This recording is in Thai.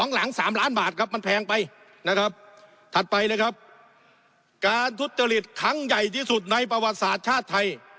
หลัง๓ล้านบาทครับมันแพงไปนะครับถัดไปเลยครับการทุจริตครั้งใหญ่ที่สุดในประวัติศาสตร์ชาติไทย